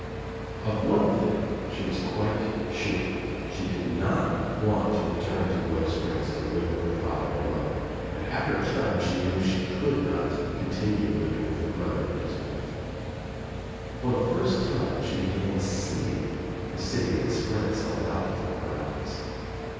Of one thing she was quite sure. She did not want to return to Willow Springs to live with her father and mother, and after a time she knew she could not continue living with her brother and his wife. For the first time she began seeing the city that spread it self out before her eyes.